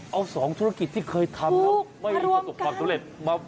เอา๒ธุรกิจที่เคยทำแล้วไม่ประสบความสำเร็จมา